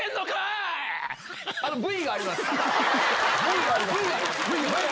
ＶＴＲがあります。